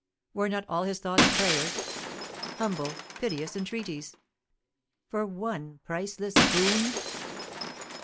Were not all his thoughts prayers humble piteous entreaties for one priceless boon?